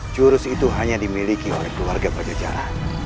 curus itu hanya dimiliki oleh keluarga pajajara